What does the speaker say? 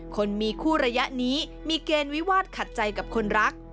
คนมีคู่ระยะนี้มีเกณฑ์วิวาสขัดใจกับคนรัก